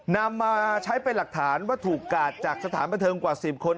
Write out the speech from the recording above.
นำมาใช้เป็นหลักฐานว่าถูกกาดจากสถานบันเทิงกว่า๑๐คน